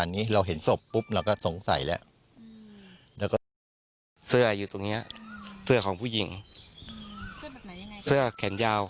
เสื้ออยู่ตรงเนี้ยเสื้อของผู้หญิงเสื้อแขนยาว